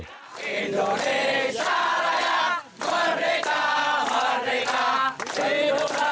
jangan lupa indonesia raya